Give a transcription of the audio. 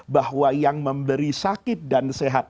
bahwa yang memberi sakit dan sehat